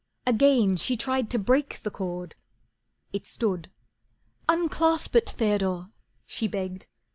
Again she tried to break the cord. It stood. "Unclasp it, Theodore," she begged.